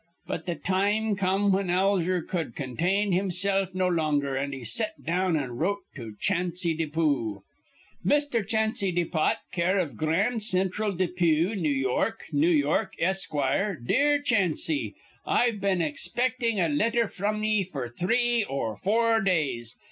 But th' time come whin Alger cud contain himsilf no longer, an' he set down an' wrote to Chansy Depoo. "'Mr. Chansy Depot, care iv Grand Cintral Depew, New York, N.Y., Esquire. Dear Chanse: I've been expectin' a letter fr'm ye f'r three or four days.